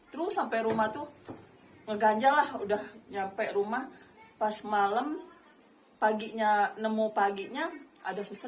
terus sampai rumah tuh ngeganja lah udah nyampe rumah pas malam paginya nemu paginya ada susah